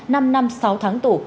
năm năm sáu tháng tủ